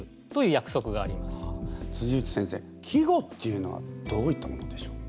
内先生季語っていうのはどういったものでしょう？